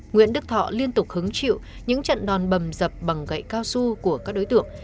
nguyễn đức thọ liên tục hứng chịu những trận đòn bầm dập bằng gậy cao su của các đối tượng